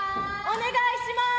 お願いします！